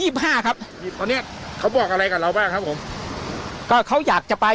ยี่สิบห้าครับตอนเนี้ยเขาบอกอะไรกับเราบ้างครับผมก็เขาอยากจะไป